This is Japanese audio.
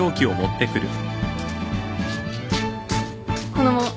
このもん。